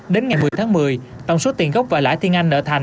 đến ngày một mươi tháng một mươi tổng số tiền gốc và lãi tiên anh nợ thành